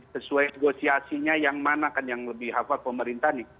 sesuai negosiasinya yang mana kan yang lebih hafal pemerintah nih